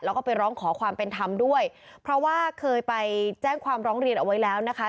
แล้วก็ไปร้องขอความเป็นธรรมด้วยเพราะว่าเคยไปแจ้งความร้องเรียนเอาไว้แล้วนะคะ